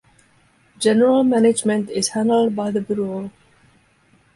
General management is handled by the bureau.